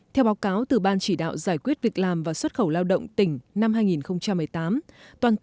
theo báo cáo từ ban chỉ đạo giải quyết việc làm và xuất khẩu lao động tỉnh năm hai nghìn một mươi tám